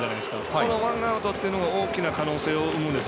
このワンアウトというのが大きな可能性を生むんです。